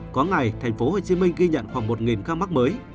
có ngày tp hcm ghi nhận khoảng một ca mắc mới